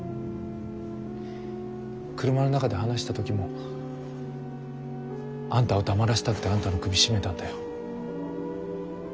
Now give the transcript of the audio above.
車の中で話した時もあんたを黙らせたくてあんたの首絞めたんだよ。